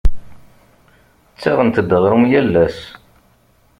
Ttaɣent-d aɣrum yal ass?